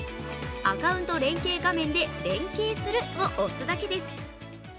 アカウント連携画面で連携するを押すだけです